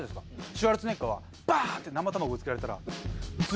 シュワルツェネッガーはバ！って生卵ぶつけられたら。